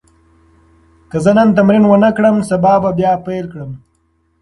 که زه نن تمرین ونه کړم، سبا به بیا پیل کړم.